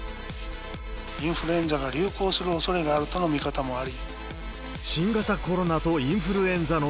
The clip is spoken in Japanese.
インフルエンザが流行するおそれがあるとの見方もあり。